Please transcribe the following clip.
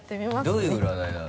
どういう占いなの？